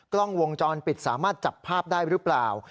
กล้องวงจรปิดสามารถจับภาพได้หรือเปล่า